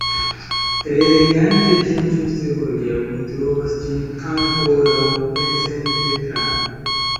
Relegante ĝin ĝuste hodiaŭ, mi trovas ĝin ankoraŭ plencentre trafa.